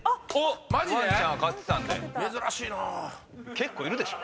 結構いるでしょ。